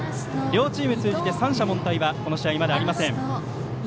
両チーム通じて三者凡退はこの試合、まだありません。